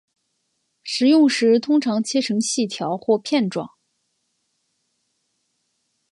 食用时通常切成细条或片状。